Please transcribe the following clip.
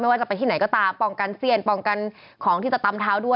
ว่าจะไปที่ไหนก็ตามป้องกันเสี้ยนป้องกันของที่จะตำเท้าด้วย